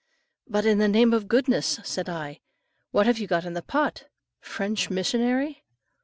"But, in the name of goodness," said I, "what have you got in the pot? French missionary?"